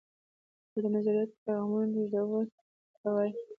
دا د نظریاتو او پیغامونو لیږدولو ته وایي.